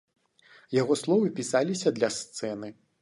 Яго словы пісаліся для сцэны.